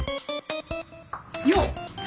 よっ！